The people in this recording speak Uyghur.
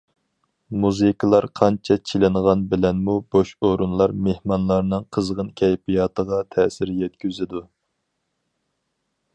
مۇزىكىلار قانچە چېلىنغان بىلەنمۇ بوش ئورۇنلار مېھمانلارنىڭ قىزغىن كەيپىياتىغا تەسىر يەتكۈزىدۇ.